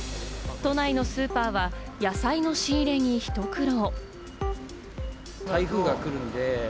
都内のスーパーは野菜の仕入れに、ひと苦労。